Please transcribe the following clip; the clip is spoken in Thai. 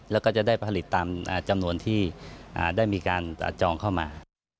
แล้วก็จะได้ผลิตตามจำนวนที่ได้มีการจองเข้ามา